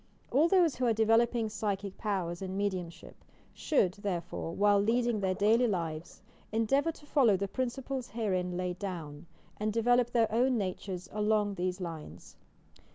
All those who are developing psy chic powers and mediumship should, therefore, while leading their daily lives, endeavour to follow the prin ciples herein laid down, and develop their own natures along these lines.